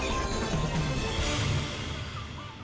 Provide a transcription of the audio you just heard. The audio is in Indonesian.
kami segera kembali dengan informasi lain